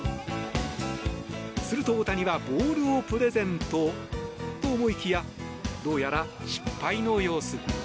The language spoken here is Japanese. すると大谷はボールをプレゼントと思いきやどうやら失敗の様子。